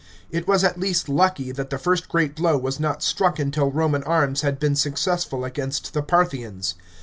It was at least lucky that the first great blow was not struck until Roman arms had been successful against the Parthians.